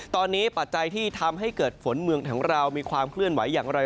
ตอนนี้ปัจจัยที่ทำให้เกิดฝนเมืองของเรามีความเคลื่อนไหวอย่างไร